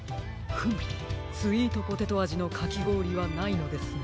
フムスイートポテトあじのかきごおりはないのですね。